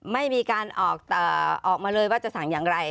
ไม่มีการออกมาเลยว่าจะสั่งอย่างไร